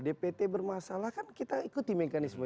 dpt bermasalah kan kita ikuti mekanisme